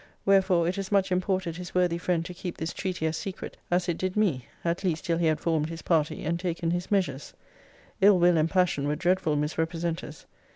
Wherefore it as much imported his worthy friend to keep this treaty as secret, as it did me; at least till he had formed his party, and taken his measures. Ill will and passion were dreadful misrepresenters.